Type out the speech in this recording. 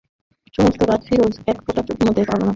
সমস্ত রাত ফিরোজ এক ফোঁটা ঘুমতে পারল না।